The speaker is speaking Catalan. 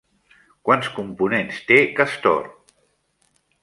Quants components té Castor?